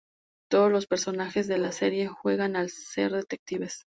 Todos los personajes de la serie juegan a ser detectives.